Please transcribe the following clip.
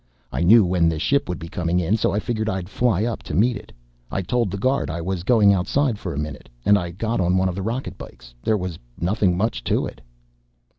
"I knew when the ship would be coming in, so I figured I'd fly up to meet it. I told the guard I was going outside a minute, and I got on one of the rocket bikes. There was nothing much to it."